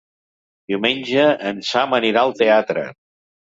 Diumenge en Sam anirà al teatre.